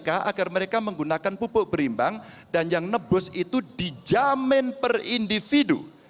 agar mereka menggunakan pupuk berimbang dan yang nebus itu dijamin per individu